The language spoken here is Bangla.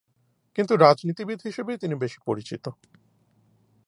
কিন্তু রাজনীতিবিদ হিসেবেই তিনি বেশি পরিচিত।